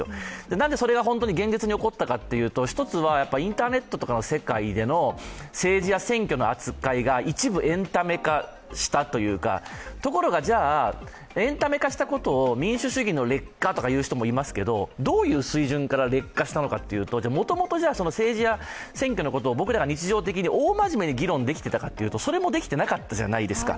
何でそれが本当に現実に起こったかというと、インターネットでの世界での政治や選挙の扱いが一部エンタメ化したというかところがじゃあ、エンタメ化したことを、民主主義の劣化とか言う人もいますけど、どういう水準から劣化したかというともともと政治や選挙のことを僕らが日常的に大真面目に議論できてたかというと、それもできてなかったじゃないですか。